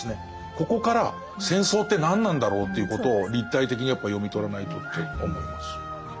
ここから戦争って何なんだろうということを立体的にやっぱ読み取らないとって思います。